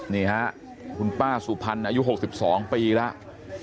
นี่ฮะคุณป้าสุพรรณอายุ๖๒ปีแล้ว